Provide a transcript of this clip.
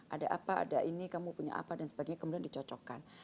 ada apa ada ini kamu punya apa dan sebagainya kemudian dicocokkan